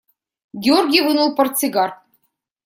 Георгий вынул портсигар.